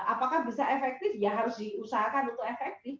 apakah bisa efektif ya harus diusahakan untuk efektif